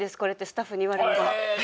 スタッフに言われました。